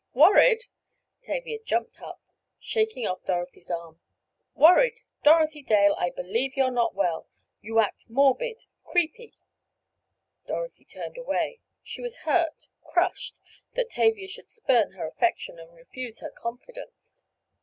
"Worried!" Tavia jumped up, shaking off Dorothy's arm. "Worried! Dorothy Dale, I believe you're not well! You act morbid—creepy!" Dorothy turned away. She was hurt—crushed—that Tavia should spurn her affection and refuse her confidence.